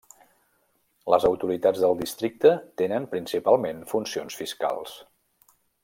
Les autoritats del districte tenen principalment funcions fiscals.